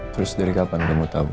terus dari kapan kamu tahu